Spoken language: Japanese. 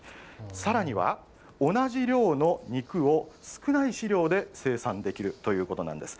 さらには、同じ量の肉を少ない飼料で生産できるということなんです。